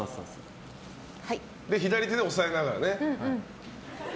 左手で押さえながらね。